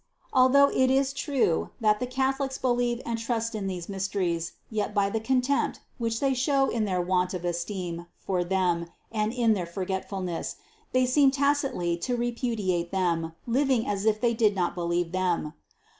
Although it is true, that the Catholics believe and trust in these mys teries, yet by the contempt, which they show in their want of esteem for them and in their forgetfulness, they seem tacitly to repudiate them, living as if they did not believe them.